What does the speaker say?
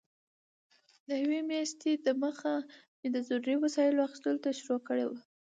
له یوې میاشتې دمخه مې د ضروري وسایلو اخیستلو ته شروع کړې وه.